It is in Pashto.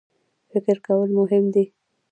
فکر کول مهم دی.